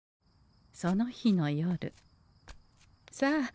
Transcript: その日の夜さあ